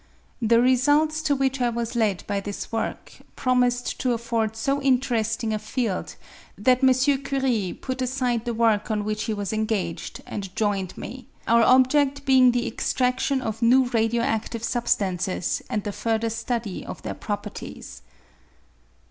The results to which I was led by this work promised to afford so interesting a field that M. Curie put aside the work on which he was engaged, and joined me, our objed being the extraftion of new radio acftive substances and the further study of their properties.